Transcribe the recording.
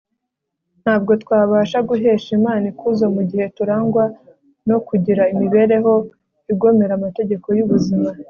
ntabwo twabasha guhesha imana ikuzo mu gihe turangwa no kugira imibereho igomera amategeko y'ubuzima